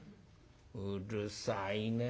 「うるさいね